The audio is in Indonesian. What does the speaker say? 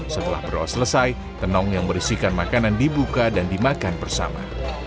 setelah beros selesai tenang yang berisikan makanan dibuka dan dimakan bersama